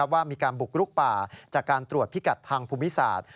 ว่ามีการบุกรุกป่าจากการตรวจพิกัดทางภูมิศาสตร์